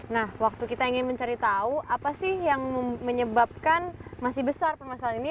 nah waktu kita ingin mencari tahu apa sih yang menyebabkan masih besar permasalahan ini